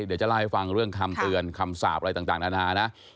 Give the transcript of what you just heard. เดี๋ยวจะเล่าให้ฟังเรื่องคำเตือนคำสาปอะไรต่างนานานะ